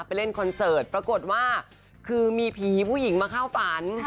เล่นคอนเสิร์ตปรากฏว่าคือมีผีผู้หญิงมาเข้าฝัน